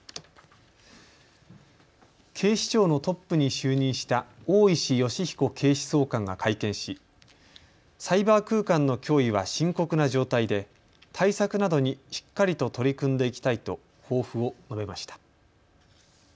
警視庁のトップに就任した大石吉彦警視総監が会見しサイバー空間の脅威は深刻な状態で対策などに、しっかりと取り組んでいきたいと抱負を述べました。